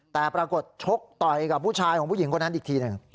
แต่ปรากฏชกต่อยกับผู้ชายของผู้หญิงคนนั้นอีกทีหนึ่ง